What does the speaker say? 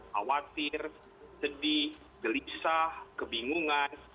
khawatir sedih gelisah kebingungan